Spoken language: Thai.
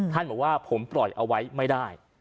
ท่านบอกว่าผมปล่อยเอาไว้ไม่ได้